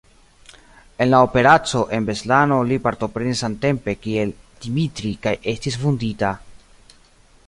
En la operaco en Beslano li partoprenis samtempe kiel Dmitrij kaj estis vundita.